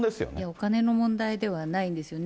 お金の問題ではないですよね。